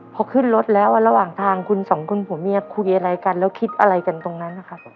พอขึ้นรถแล้วระหว่างทางคุณสองคนผัวเมียคุยอะไรกันแล้วคิดอะไรกันตรงนั้นนะครับ